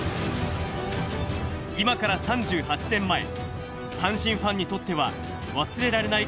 今から３８年前、阪神ファンにとっては忘れられない